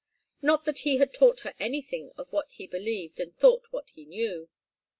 Not that he had taught her anything of what he believed and thought that he knew.